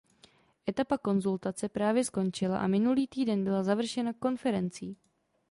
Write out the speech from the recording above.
Etapa konzultace právě skončila a minulý týden byla završena konferencí.